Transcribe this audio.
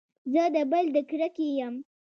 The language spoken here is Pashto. زه د بل د کرکې يم.